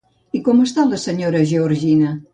I com està la senyora Georgina?